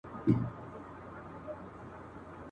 له ما مه غواړئ سندري د صیاد په پنجره کي ..